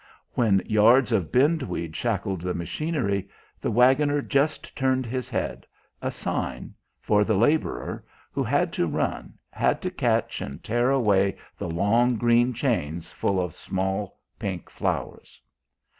When yards of bindweed shackled the machinery, the waggoner just turned his head a sign for the labourer, who had to run, had to catch and tear away the long green chains full of small pink flowers.